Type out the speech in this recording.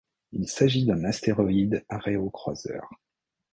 Il s'agit d'un astéroïde aréocroiseur.